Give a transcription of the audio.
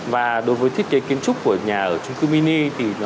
và đối với thiết kế kiến trúc của nhà ở trung cư mini